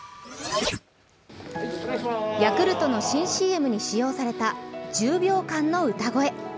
ヤクルトの新ＣＭに使用された１０秒間の歌声。